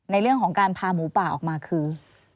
ในเรื่องของการพาหมูป่าออกมาคือ